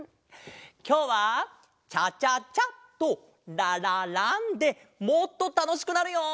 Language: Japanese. きょうは「チャチャチャ」と「ラララン」でもっとたのしくなるよ！